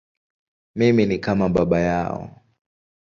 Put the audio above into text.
Mimi ni kama baba yao.